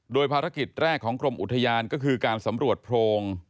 โดยภารกิจแรกของกรมอุทยานก็คือการสำรวจโพรง